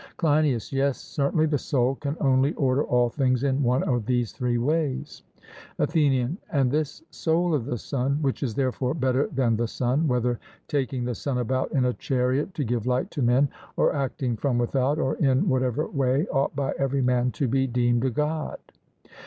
CLEINIAS: Yes, certainly; the soul can only order all things in one of these three ways. ATHENIAN: And this soul of the sun, which is therefore better than the sun, whether taking the sun about in a chariot to give light to men, or acting from without, or in whatever way, ought by every man to be deemed a God.